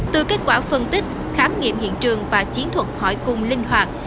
từ kết quả phân tích khám nghiệm hiện trường và chiến thuật hỏi cùng linh hoạt